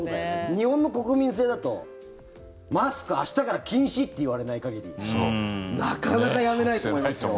日本の国民性だとマスク、明日から禁止って言われない限りなかなかやめないと思いますよ。